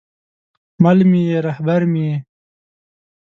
مل مې یې، رهبر مې یې